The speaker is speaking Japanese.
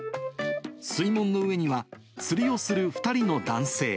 水門の上には、釣りをする２人の男性。